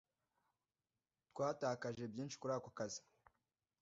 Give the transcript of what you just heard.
Twatakaje byinshi kuri ako kazi.